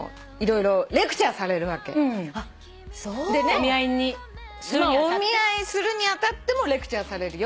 お見合いするに当たってもレクチャーされるよ。